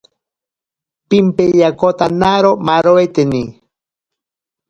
Pimpeyakotenaro maaroiteni.